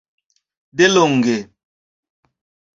delonge